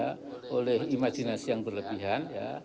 ya saya kira itu adalah halusinasi yang berlebihan ya